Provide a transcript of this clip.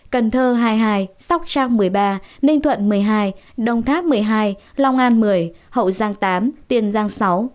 cần thơ hai mươi hai sóc trang một mươi ba ninh thuận một mươi hai đồng tháp một mươi hai long an một mươi hậu giang tám tiền giang sáu